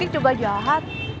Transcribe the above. ditik juga jahat